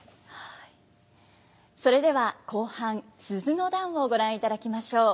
それでは後半「鈴の段」をご覧いただきましょう。